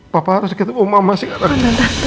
papa harus ketemu mama sekarang